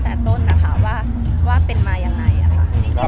แม็กซ์ก็คือหนักที่สุดในชีวิตเลยจริง